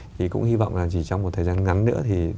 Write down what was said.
thì cũng hy vọng là chỉ trong một thời gian ngắn nữa thì